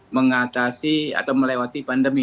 mengatasi atau melewati pandemi